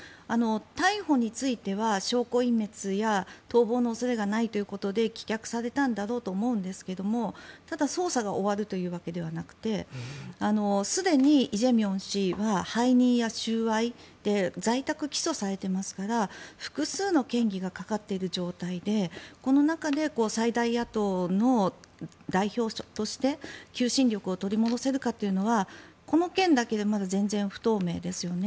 逮捕については証拠隠滅や逃亡の恐れがないということで棄却されたんだろうと思うんですがただ、捜査が終わるというわけではなくてすでにイ・ジェミョン氏は背任や収賄で在宅起訴されていますから複数の嫌疑がかかっている状態でこの中で、最大野党の代表として求心力を取り戻せるかというのはこの件だけでは全然不透明ですよね。